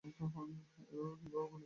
এভাবে কীভাবে গুলি করব!